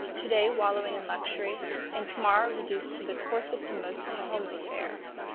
To day wallowing in luxury, and to morrow reduced to the coarsest and most homely fare.